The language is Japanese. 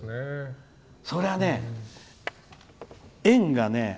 そりゃね円がね